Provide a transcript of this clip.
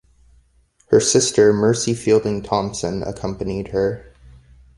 Her sister, Mercy Fielding Thompson, accompanied her.